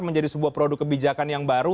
menjadi sebuah produk kebijakan yang baru